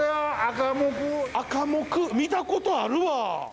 アカモク見たことあるわ。